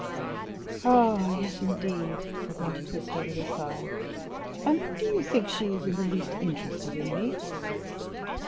"Ah, yes, indeed," said Monte Cristo with a sigh; "and do you think she is in the least interested in me?"